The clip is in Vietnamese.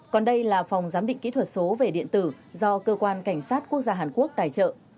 còn đây là phòng giám định kỹ thuật số về điện tử do cơ quan cảnh sát quốc gia hàn quốc tài trợ